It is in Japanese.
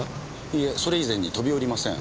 いいえそれ以前に飛び降りません。